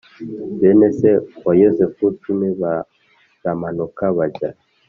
Bene se wa Yosefu cumi baramanuka bajya